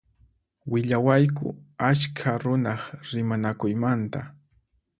Willawayku askha runaq rimanakuymanta.